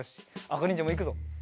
あかにんじゃもいくぞ。